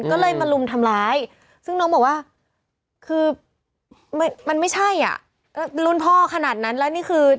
ก็เลยมาลุมทำร้ายซึ่งน้องบอกว่าคือมันไม่ใช่อ่ะรุ่นพ่อขนาดนั้นแล้วนี่คือ